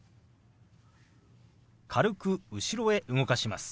軽く後ろへ動かします。